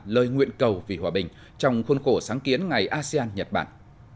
lời nguyện cầu vì hòa bình trong khuôn khổ sáng kiến ngày asean nhật bản